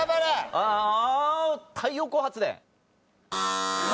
ああ太陽光発電。